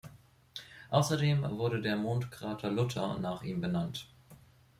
Außerdem wurde der Mondkrater Luther nach ihm benannt.